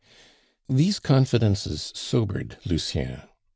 These confidences sobered Lucien.